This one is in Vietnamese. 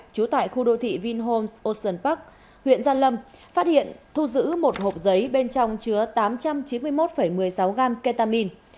trú tại khu đô thị vinhomes ocean park huyện giàn lâm phát hiện thu giữ một hộp giấy bên trong chứa tám trăm chín mươi một một mươi sáu g ketamine